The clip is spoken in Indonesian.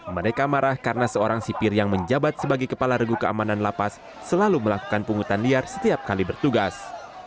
mereka marah karena seorang sipir yang menjabat sebagai kepala regu keamanan lapas selalu melakukan pungutan liar setiap kali bertugas